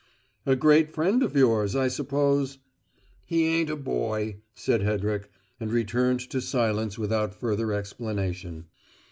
"A great friend of yours, I suppose." "He ain't a boy," said Hedrick, and returned to silence without further explanation.